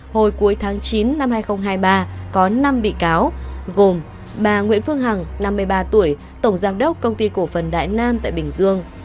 hồi cuối tháng chín năm hai nghìn hai mươi ba có năm bị cáo gồm bà nguyễn phương hằng năm mươi ba tuổi tổng giám đốc công ty cổ phần đại nam tại bình dương